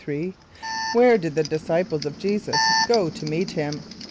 = Where did the disciples of J[=e]´[s+]us go to meet him?